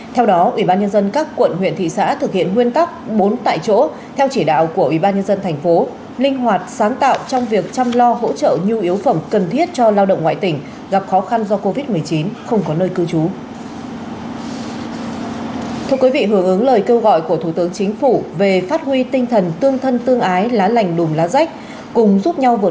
theo đó ủy ban nhân dân các quận huyện thị xã thực hiện huyên tắc bốn tại chỗ theo chỉ đạo của ủy ban nhân dân tp linh hoạt sáng tạo trong việc chăm lo hỗ trợ nhu yếu phẩm cần thiết cho lao động ngoại tỉnh gặp khó khăn do covid một mươi chín không có nơi cư trú